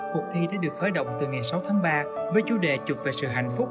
cuộc thi đã được khởi động từ ngày sáu tháng ba với chủ đề trục về sự hạnh phúc